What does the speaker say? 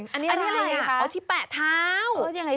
วันนี้อะไรอ่ะเอาที่แปะเท้า